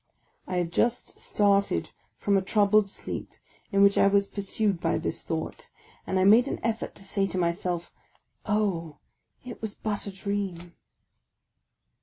I have just started from a troubled sleep in which I was pursued by this thought, and I made an effort to say to my self, " Oh, it was but a dream